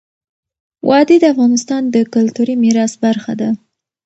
وادي د افغانستان د کلتوري میراث برخه ده.